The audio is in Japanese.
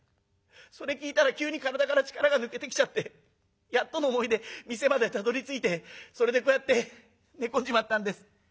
それ聞いたら急に体から力が抜けてきちゃってやっとの思いで店までたどりついてそれでこうやって寝込んじまったんです」。